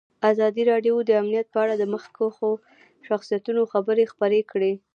ازادي راډیو د امنیت په اړه د مخکښو شخصیتونو خبرې خپرې کړي.